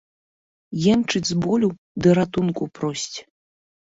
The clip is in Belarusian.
Енчыць з болю ды ратунку просіць.